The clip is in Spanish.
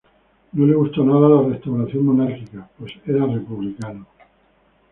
No le gustó nada la Restauración monárquica pues era republicano.